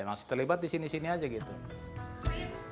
masih terlibat di sini sini aja gitu